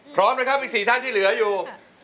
พร้อมนะครับอีก๔ท่านที่เหลืออยู่